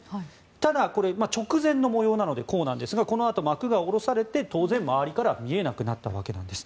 ただ、直前の模様なのでこうなんですがこのあと、幕が下ろされて当然、周りから見えなくなったわけなんです。